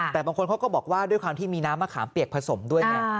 แต่บางคนเขาก็บอกว่าด้วยความที่มีน้ำมะขามเปียกผสมด้วยไง